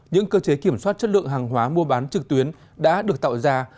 những cơ chế kiểm soát chất lượng hàng hóa mua bán trực tuyến đã được tạo ra